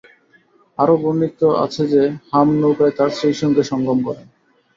আরো বর্ণিত আছে যে, হাম নৌকায় তার স্ত্রীর সঙ্গে সঙ্গম করেন।